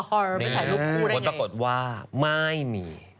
คนปรากฏว่าไม่มี